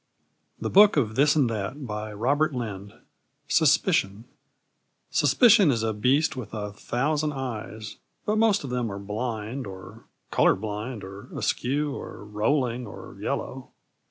THE BOOK OF THIS AND THAT I SUSPICION Suspicion is a beast with a thousand eyes, but most of them are blind, or colour blind, or askew, or rolling, or yellow.